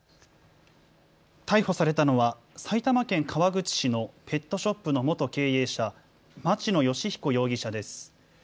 逮捕されたのは埼玉県川口市のペットショップの元経営者、町野義彦容疑者です。